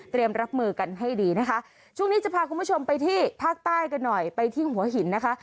รับมือกันให้ดีนะคะช่วงนี้จะพาคุณผู้ชมไปที่ภาคใต้กันหน่อยไปที่หัวหินนะคะ